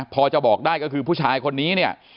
พอจะบอกได้ก็คือผู้ชายคนนี้เนี่ย